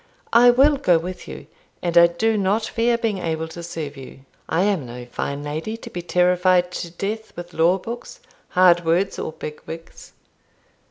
I will go with you, and I do not fear being able to serve you. I am no fine lady, to be terrified to death with law books, hard words, or big wigs."